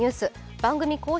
番組公式